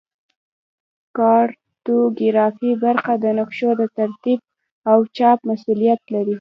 کارتوګرافي برخه د نقشو د ترتیب او چاپ مسوولیت لري